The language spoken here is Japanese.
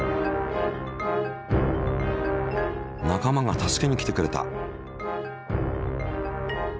仲間が助けに来てくれた！